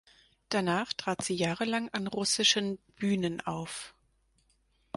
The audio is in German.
Danach trat sie jahrelang an russischen Bühnen auf.